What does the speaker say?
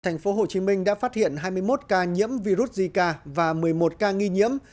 thành phố hồ chí minh đã phát hiện hai mươi một ca nhiễm virus zika và một mươi một ca nghi nhiễm